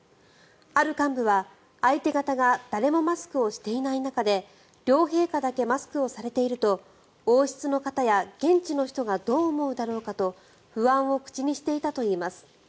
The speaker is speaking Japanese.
ある幹部は、相手方が誰もマスクをしていない中で両陛下だけマスクをされていると王室の方や現地の人がどう思うだろうかと不安を口にしていたといいます。